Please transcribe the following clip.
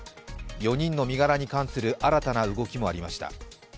４人の身柄に関する新たな動きもありました。